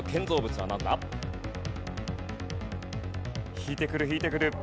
引いてくる引いてくる。